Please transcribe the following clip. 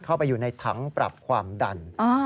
เข้าไปอยู่ในถังปรับความดัน